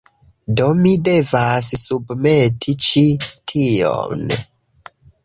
Do, mi devas submeti ĉi tion